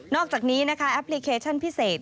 อกจากนี้นะคะแอปพลิเคชันพิเศษ